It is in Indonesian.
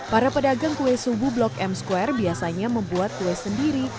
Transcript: para pedagang kue subuh blok m square biasanya membuat kue sendiri